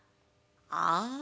「ああ。